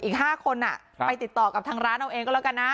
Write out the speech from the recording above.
อีกห้าคนอ่ะครับไปติดต่อกับทางร้านเราเองก็แล้วกันน่ะ